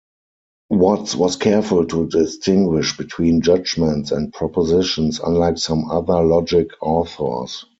Watts was careful to distinguish between judgements and propositions, unlike some other logic authors.